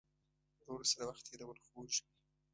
ورور سره وخت تېرول خوږ وي.